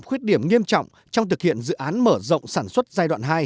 khuyết điểm nghiêm trọng trong thực hiện dự án mở rộng sản xuất giai đoạn hai